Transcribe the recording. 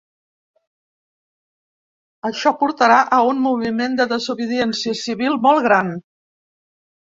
Això portarà a un moviment de desobediència civil molt gran.